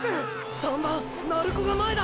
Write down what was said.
３番鳴子が前だ！！